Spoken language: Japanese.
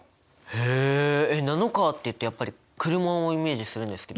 へえナノカーっていうとやっぱり車をイメージするんですけど。